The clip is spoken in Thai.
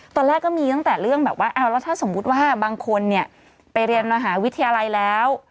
ตอนแรกก็มีตั้งแต่เรื่องแบบว่าเอาแล้วถ้าสมมุติว่าบางคนเนี่ยไปเรียนมหาวิทยาลัยแล้ว